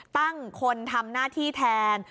ตั้งคนทำหน้าที่แทน